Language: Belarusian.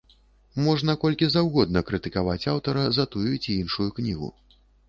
Можна колькі заўгодна крытыкаваць аўтара за тую ці іншую кнігу.